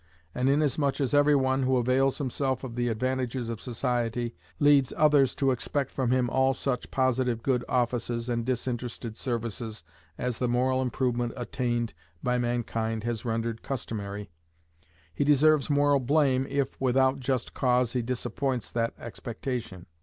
And inasmuch as every one, who avails himself of the advantages of society, leads others to expect from him all such positive good offices and disinterested services as the moral improvement attained by mankind has rendered customary, he deserves moral blame if, without just cause, he disappoints that expectation.